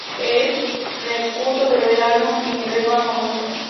En el curso del verano, su nivel baja mucho.